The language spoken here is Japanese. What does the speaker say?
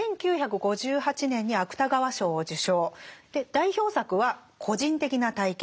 代表作は「個人的な体験」